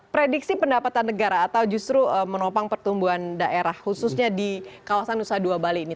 prediksi pendapatan negara atau justru menopang pertumbuhan daerah khususnya di kawasan nusa dua bali ini